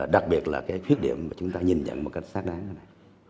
đặc biệt là cái khuyết điểm mà chúng ta nhìn nhận một cách xác đáng cái này